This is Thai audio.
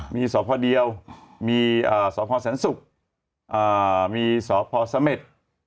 มีสอบพอร์เดียวมีสอบพอร์แสนสุกมีสอบพอร์สะเม็ด